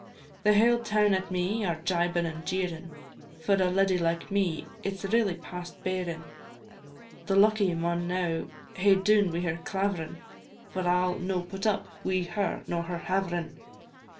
The hale toun at me are jibin' and jeerin', For a leddy like me it 's really past bearin'; The lucky maun now hae dune wi' her claverin', For I 'll no put up wi' her nor her haverin'.